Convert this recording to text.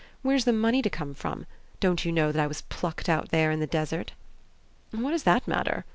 Where's the money to come from? Don't you know that I was plucked out there in the desert?" "What does that matter?"